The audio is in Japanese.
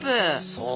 そう。